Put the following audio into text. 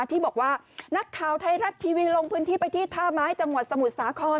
ที่บอกว่านักข่าวไทยรัฐทีวีลงพื้นที่ไปที่ท่าไม้จังหวัดสมุทรสาคร